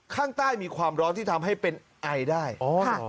ข้างใต้มีความร้อนที่ทำให้เป็นไอได้อ๋อ